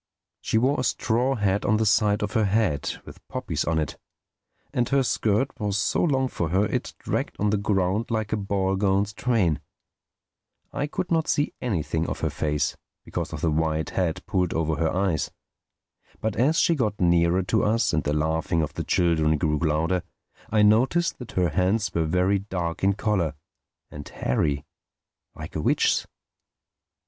She wore a straw hat on the side of her head with poppies on it; and her skirt was so long for her it dragged on the ground like a ball gown's train. I could not see anything of her face because of the wide hat pulled over her eyes. But as she got nearer to us and the laughing of the children grew louder, I noticed that her hands were very dark in color, and hairy, like a witch's.